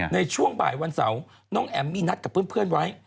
ในช่วงบ่ายวันเสาร์น้องแอ๋มมีนัดกับเพื่อนไว้